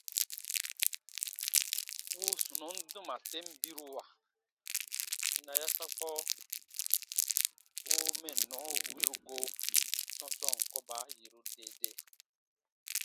Wuu sunɔn dɔma ten biruwa sina yasakpɔ u mɛnnɔ wiru go sɔ̃sɔɔn kɔba yiru dee dee.